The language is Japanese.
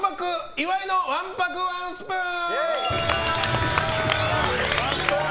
岩井のわんぱくワンスプーン！